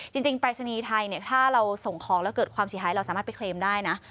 ปรายศนีย์ไทยเนี่ยถ้าเราส่งของแล้วเกิดความเสียหายเราสามารถไปเคลมได้นะ